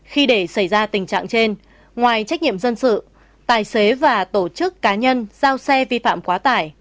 khi để xảy ra tình trạng trên ngoài trách nhiệm dân sự tài xế và tổ chức cá nhân giao xe vi phạm quá tải